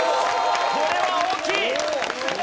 これは大きい！